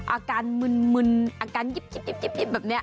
อาการมึนอาการยิบแบบนี้